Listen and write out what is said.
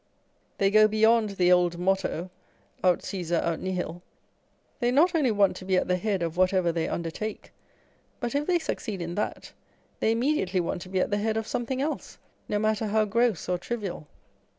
They go 234 On Egotism. beyond the old motto â€" Ant Ccesar, ant nihil â€" they not only want to be at the head of whatever they undertake, but if they succeed in that, they immediately want to be at the head of something else, no matter how gross or trivial.